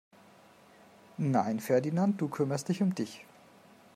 Nein Ferdinand, du kümmerst dich um dich!